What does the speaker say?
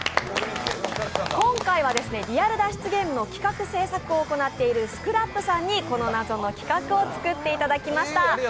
今回はリアル脱出ゲームの企画制作を行っているＳＣＲＡＰさんにこの謎の企画を作っていただきました。